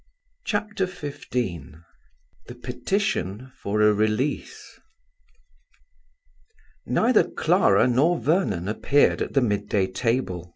CHAPTER XV THE PETITION FOR A RELEASE Neither Clara nor Vernon appeared at the mid day table.